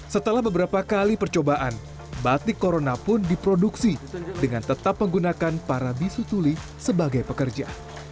setelah beberapa kali percobaan batik corona pun diproduksi dengan tetap menggunakan para bisu tuli sebagai pekerja